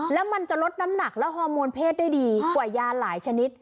แล้วมันจะลดน้ำหนักและฮอร์โมนเพศได้ดีกว่ายาหลายชนิด